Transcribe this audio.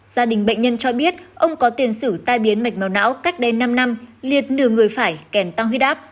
gia đình bệnh nhân cho biết ông có tiền xử tai biến mạch máu não cách đây năm năm liệt nửa người phải kèm tăng huyết áp